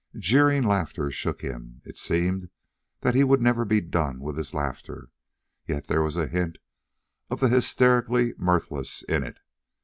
Jeering laughter shook him; it seemed that he would never be done with his laughter, yet there was a hint of the hysterically mirthless in it.